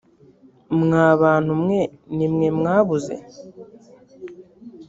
mwa bantu mwe ni mwe mwabuze.